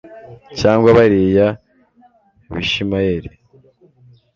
cyangwa bariya bishimayeri